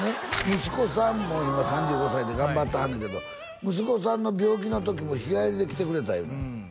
息子さんも今３５歳で頑張ってはんねんけど息子さんの病気の時も日帰りで来てくれた言うのよ